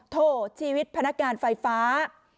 โทษชีวิตพนักงานไฟฟ้า